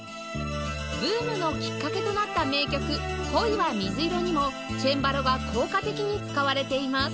ブームのきっかけとなった名曲『恋はみずいろ』にもチェンバロは効果的に使われています